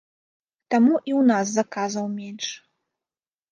Таму і ў нас заказаў менш.